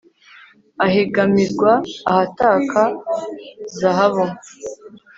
ahegamirwa ahataka zahabu